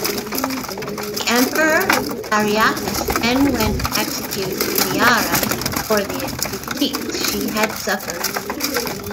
The Emperor Ariakas, then went to execute Kitiara for the defeats she had suffered.